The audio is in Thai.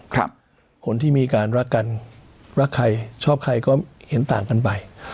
คนที่มีการรักกันรักใครชอบใครก็เห็นต่างกันไป